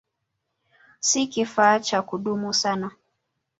Si kifaa cha kudumu sana.